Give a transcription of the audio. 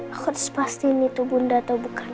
aku harus pastiin itu bunda atau bukan